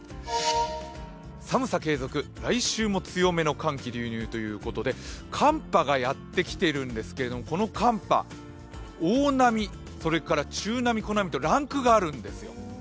寒さ継続、来週も強めの寒気流入ということで寒波がやってきているんですけれども、この寒波、大波、中波、小波とランクがあるんですよ。